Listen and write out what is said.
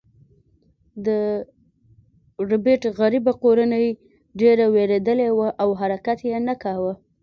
د ربیټ غریبه کورنۍ ډیره ویریدلې وه او حرکت یې نه کاوه